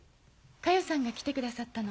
加代さんが来てくださったの。